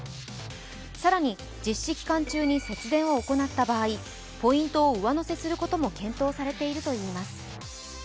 更に、実施期間中に節電を行った場合、ポイントを上乗せすることも検討されているといいます。